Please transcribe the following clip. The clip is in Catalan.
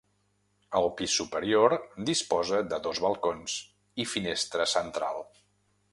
El pis superior disposa de dos balcons i finestra central.